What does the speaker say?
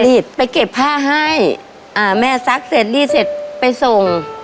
เขาช่วยไปเก็บผ้าให้แม่ซักเสร็จรีดเสร็จไปส่ง